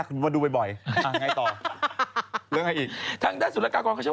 แล้วก็ดูบ่อยอะไรนะต่อ